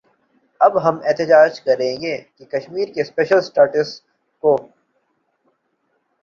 اب ہم احتجاج کر رہے ہیں کہ کشمیر کے سپیشل سٹیٹس کو